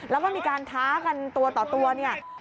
แล้วก็มีการท้ากันตัวต่อตัวเนี่ย